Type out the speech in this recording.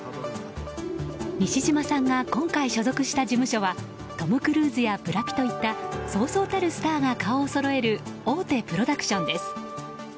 西島さんが今回所属した事務所はトム・クルーズやブラピといったそうそうたるスターが顔をそろえる大手プロダクションです。